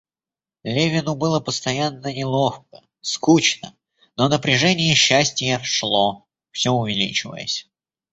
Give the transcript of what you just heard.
Левину было постоянно неловко, скучно, но напряжение счастья шло, всё увеличиваясь.